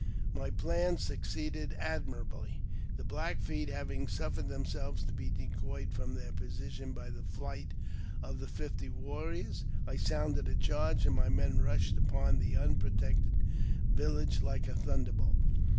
My plan succeeded admirably. The Black Feet, having suffered themselves to be decoyed from their position by the flight of the fifty warriors, I sounded a charge, and my men rushed upon the unprotected village like a thunderbolt.